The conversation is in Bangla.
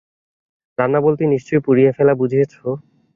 রান্না বলতে নিশ্চয়ই পুড়িয়ে ফেলা বুঝিয়েছ।